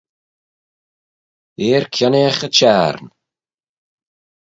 Eer kionneeaght y Çhiarn.